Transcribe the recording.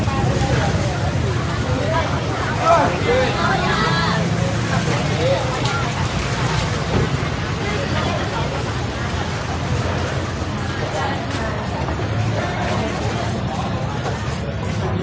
จากนี้มีอาหารจึงจากที่เทียมมีขนาด๑๕ลิงนี้